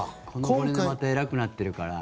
これでまた偉くなってるから。